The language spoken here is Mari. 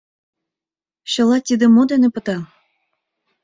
Чыла тиде мо дене пыта?